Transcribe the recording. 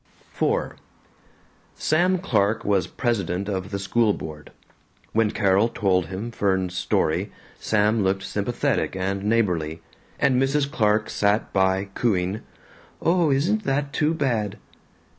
IV Sam Clark was president of the school board. When Carol told him Fern's story Sam looked sympathetic and neighborly, and Mrs. Clark sat by cooing, "Oh, isn't that too bad."